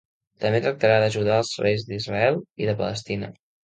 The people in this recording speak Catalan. També tractarà d'ajudar els reis d'Israel i de Palestina.